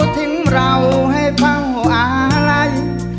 ทิ้งเราให้เผ่าอาลัย